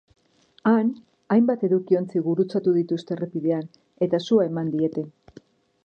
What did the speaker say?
Han, hainbat edukiontzi gurutzatu dituzte errepidean, eta su eman diete.